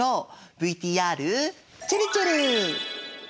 ＶＴＲちぇるちぇる！